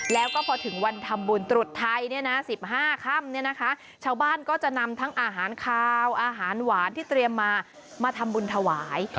แล้วก็พอถึงวันทำบุญตรุษไทยเนี่ยนะ๑๕ค่ำเนี่ยนะคะชาวบ้านก็จะนำทั้งอาหารคาวอาหารหวานที่เตรียมมามาทำบุญถวาย